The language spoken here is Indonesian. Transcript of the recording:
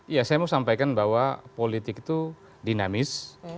ya saya mau sampaikan bahwa politik itu dinamis